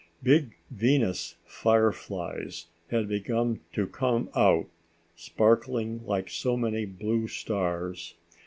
Big Venus fireflies had begun to come out, sparkling like so many blue stars.